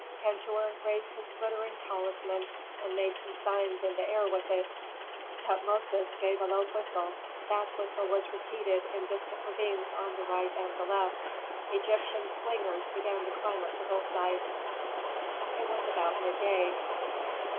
Pentuer raised his glittering talisman, and made some signs in the air with it. Tutmosis gave a low whistle; that whistle was repeated in distant ravines on the right and the left. Egyptian slingers began to climb up the hillsides. It was about midday.